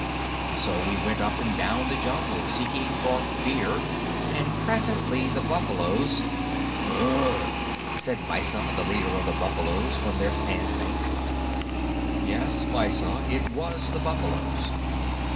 So we went up and down the Jungle seeking for Fear, and presently the buffaloes " "Ugh!" said Mysa, the leader of the buffaloes, from their sand bank. "Yes, Mysa, it was the buffaloes.